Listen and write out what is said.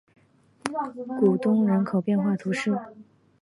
古东人口变化图示